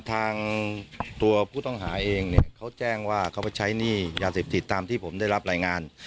ทางตัวผู้ต้องหาเองเนี่ยเขาแจ้งว่าเขาไปใช้หนี้ยาเสพติดตามที่ผมได้รับรายงาน